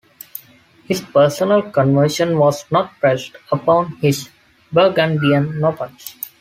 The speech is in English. His personal conversion was not pressed upon his Burgundian nobles.